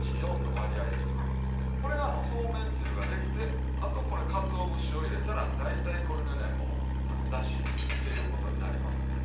これがそうめんつゆができてあとこれかつお節を入れたら大体これでねもうあのだしということになりますので。